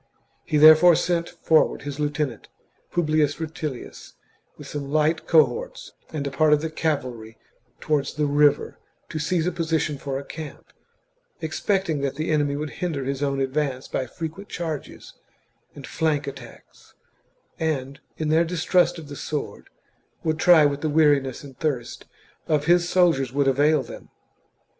He therefore sent for ward his lieutenant, Publius Rutilius, with some light cohorts and a part of the cavalry towards the river, to seize a position for a camp, expecting that the enemy would hinder his own advance by frequent charges and flank attacks, and, in their distrust of the sword, would try what the weariness and thirst of his soldiers would avail them.